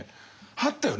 あったよね